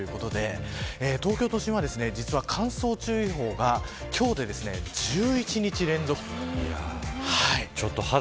この時間から３０％ということで東京都心は実は、乾燥注意報が今日で１１日連続と。